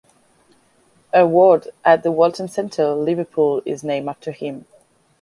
A ward at the Walton Centre, Liverpool is named after him.